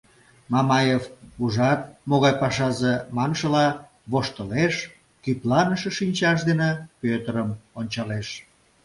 Мамаев «Ужат, могай пашазе!» маншыла воштылеш, кӱпланыше шинчаж дене Пӧтырым ончалеш.